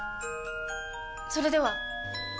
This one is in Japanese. それでは！